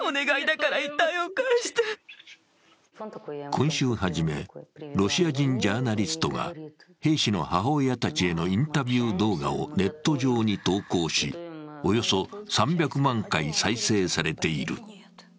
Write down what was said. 今週初め、ロシア人ジャーナリストが兵士たちの母親にインタビュー動画をネット上に投稿し、およそ３００万回再生されている。